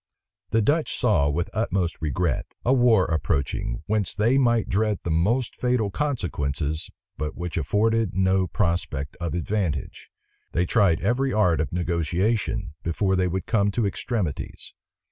The Dutch saw, with the utmost regret, a war approaching, whence they might dread the most fatal consequences, but which afforded no prospect of advantage. They tried every art of negotiation, before they would come to extremities.